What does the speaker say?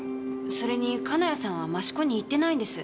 それに金谷さんは益子に行ってないんです。